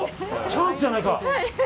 チャンスじゃないか！